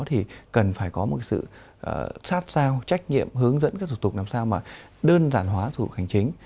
thì cần phải có một sự sát sao trách nhiệm hướng dẫn các thủ tục làm sao mà đơn giản hóa thủ tục hành chính